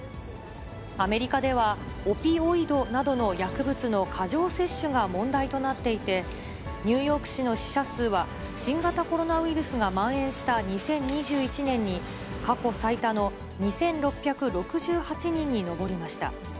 アメリカではオピオイドなどの薬物の過剰摂取が問題となっていて、ニューヨーク市の死者数は、新型コロナウイルスがまん延した２０２１年に過去最多の２６６８人に上りました。